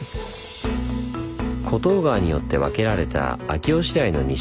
厚東川によって分けられた秋吉台の西側。